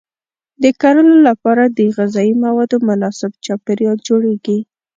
د کرلو لپاره د غذایي موادو مناسب چاپیریال جوړیږي.